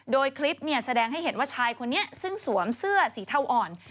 โดยคลิปแสดงให้เห็นว่าชายคนนี้ซึ่งสวมเสื้อสีเทาอ่อน